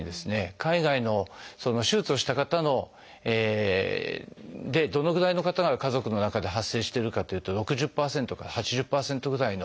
海外の手術をした方でどのぐらいの方が家族の中で発生してるかというと６０％から８０％ぐらいの。